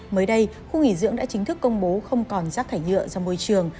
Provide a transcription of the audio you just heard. mới đây khu nghỉ dưỡng đã chính thức công bố không còn rác thải nhựa ra môi trường